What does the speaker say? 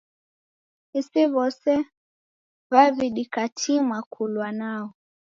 Isi w'ose w'aw' dikatima kulwa nao.